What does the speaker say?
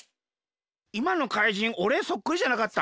いまの怪人おれそっくりじゃなかった？